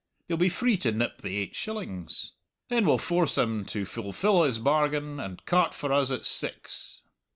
You'll be free to nip the eight shillings. Then we'll force him to fulfill his bargain and cart for us at six."